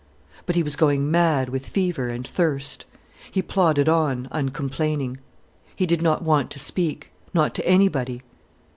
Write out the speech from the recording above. But he was going mad with fever and thirst. He plodded on uncomplaining. He did not want to speak, not to anybody.